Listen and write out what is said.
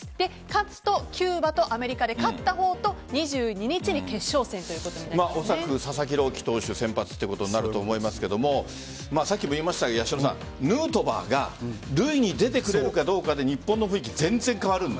勝つとキューバとアメリカで勝った方とおそらく佐々木朗希投手先発となると思いますがさっきも言いましたがヌートバーが塁に出てくれるかどうかで日本の雰囲気、全然変わるので。